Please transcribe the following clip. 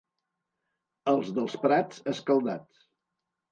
Els dels Prats, escaldats.